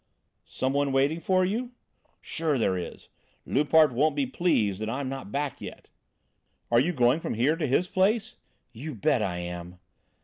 "Some one waiting for you?" "Sure there is. Loupart won't be pleased that I'm not back yet." "Are you going from here to his place?" "You bet I am."